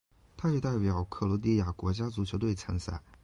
他也代表克罗地亚国家足球队参赛。